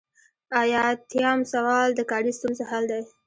ایاتیام سوال د کاري ستونزو حل دی.